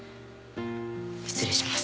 失礼します